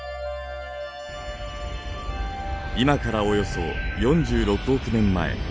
今からおよそ４６億年前。